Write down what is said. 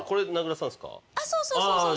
あっそうそうそうそう。